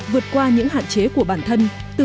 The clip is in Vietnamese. vượt qua những hạn chế của sinh viên năm tốt